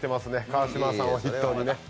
川島さんを筆頭にね。